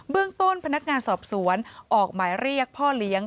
เรื่องต้นพนักงานสอบสวนออกหมายเรียกพ่อเลี้ยง